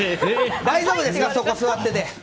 大丈夫ですか、そこ座ってて。